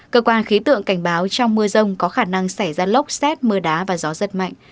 cơ quan khí tượng cảnh báo trong mưa rông có khả năng xảy ra lốc xét mưa đá và gió giật mạnh